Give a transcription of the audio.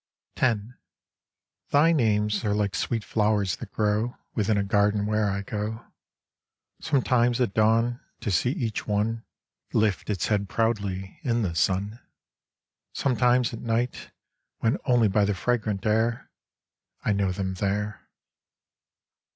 X Thy names are like sweet flowers that grow Within a garden where I go, Sometimes at dawn, to see each one Life its head proudly in the sun; Sometimes at night, When only by the fragrant air, I know them there.